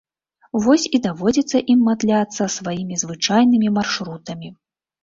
Вось і даводзіцца ім матляцца сваімі звычайнымі маршрутамі.